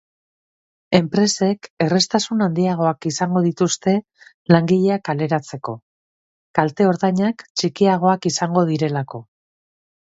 Enpresek erraztasun handiagoak izango dituzte langileak kaleratzeko, kalte-ordainak txikiagoak izango direlako.